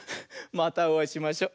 またおあいしましょ。